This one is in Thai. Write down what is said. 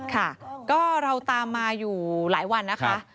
ค่ะก็เราตามมาอยู่หลายวันนะคะ